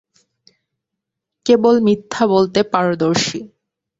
কেবল মিথ্যা বলতে পারদর্শী।